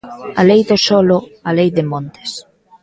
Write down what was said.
A Lei do solo, a Lei de montes...